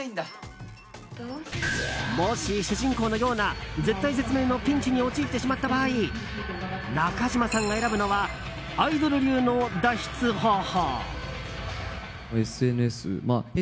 もし主人公のような絶体絶命のピンチに陥ってしまった場合中島さんが選ぶのはアイドル流の脱出方法。